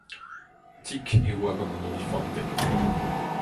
Tik e oa gant an olifanted.